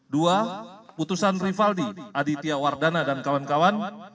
dua putusan rivaldi aditya wardana dan kawan kawan